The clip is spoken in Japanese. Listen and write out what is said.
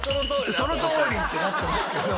「そのとおり！」ってなってますけど。